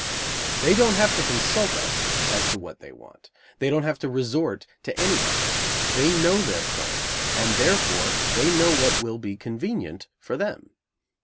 They don't have to consult us as to what they want. They don't have to resort to anybody. They know their plans, and therefore they know what will be convenient for them.